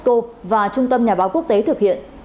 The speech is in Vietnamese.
do unesco và trung tâm nhà báo quốc tế thực hiện